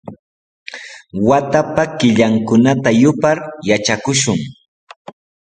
Watapa killankunata yupar yatrakushun.